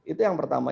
itu yang pertama